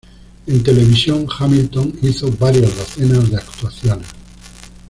En televisión, Hamilton hizo varias docenas de actuaciones.